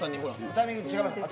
タイミング違います？